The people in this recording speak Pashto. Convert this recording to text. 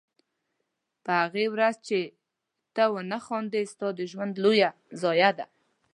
په هغې ورځ چې ته ونه خاندې ستا د ژوند لویه ضایعه ده.